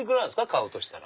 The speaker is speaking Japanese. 買うとしたら。